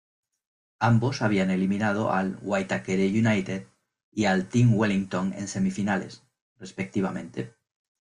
Ambos habían eliminado al Waitakere United y al Team Wellington en semifinales, respectivamente.